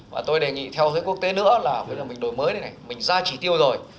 và tôi đề nghị theo xu thế quốc tế nữa là mình đổi mới này này mình ra chỉ tiêu rồi